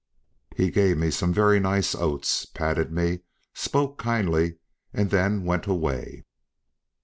He gave me some very nice oats, patted me, spoke kindly, and then went away.